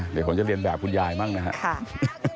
เดี๋ยวผมจะเรียนแบบคุณยายบ้างนะครับ